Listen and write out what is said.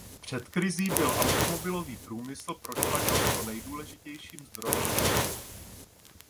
Před krizí byl automobilový průmysl pro Španělsko nejdůležitějším zdrojem vývozu.